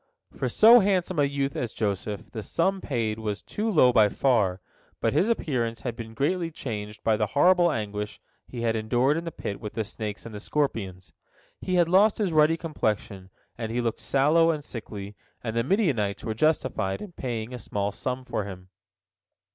For so handsome a youth as Joseph the sum paid was too low by far, but his appearance had been greatly changed by the horrible anguish he bad endured in the pit with the snakes and the scorpions. He had lost his ruddy complexion, and he looked sallow and sickly, and the Midianites were justified in paying a small sum for him.